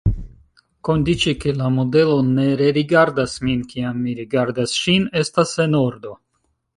Kondiĉe, ke la modelo ne rerigardas min, kiam mi rigardas ŝin, estas en ordo.